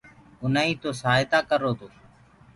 اُنآئين تو سآهتآ ڪررو تو